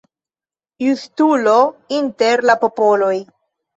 Justulo inter la popoloj.